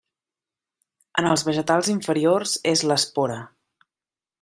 En els vegetals inferiors és l'espora.